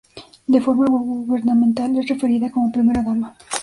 De forma gubernamental, es referida como primera dama.